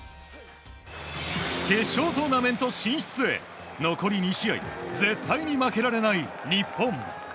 決勝トーナメント進出へ残り２試合絶対に負けられない日本。